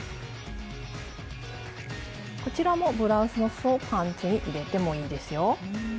こちらもブラウスのすそをパンツに入れてもいいですよ。